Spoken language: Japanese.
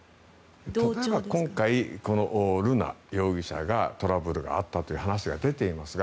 例えば今回、瑠奈容疑者がトラブルがあったという話が出ていますが